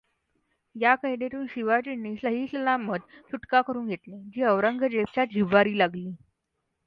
या कैदेतून शिवाजींनी सहिसलामत सुटका करून घेतली जी औरंगजेबच्या जिव्हारी लागली.